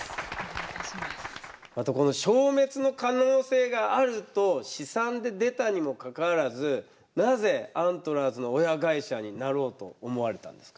またこの消滅の可能性があると試算で出たにもかかわらずなぜアントラーズの親会社になろうと思われたんですか？